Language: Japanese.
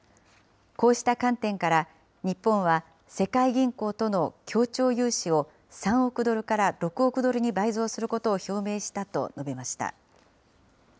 こうした観点から、日本は世界銀行との協調融資を、３億ドルから６億ドルに倍増することを表明したと述べました。